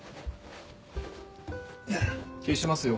消しますよ。